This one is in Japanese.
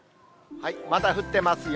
まだ降ってますよ。